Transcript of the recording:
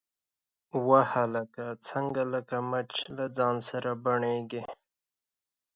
_وه هلکه، څنګه لکه مچ له ځان سره بنګېږې؟